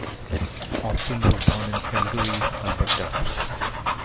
Austin was born in Calgary, Alberta.